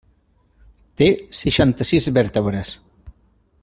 Té seixanta-sis vèrtebres.